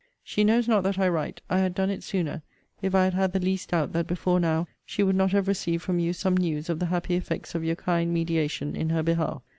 She knows not that I write. I had done it sooner, if I had had the least doubt that before now she would not have received from you some news of the happy effects of your kind mediation in her behalf.